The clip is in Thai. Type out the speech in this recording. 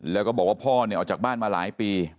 แล้วก็บอกว่าพ่อเนี่ยออกจากบ้านมาหลายปี